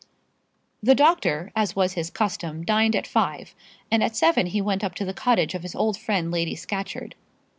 The doctor, as was his custom, dined at five, and at seven he went up to the cottage of his old friend Lady Scatcherd.